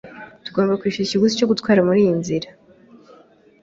Tugomba kwishyura ikiguzi cyo gutwara muriyi nzira.